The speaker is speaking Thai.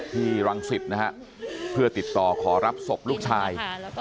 ที่รังสิทธิ์นะครับเพื่อติดต่อขอรับศพลูกชาย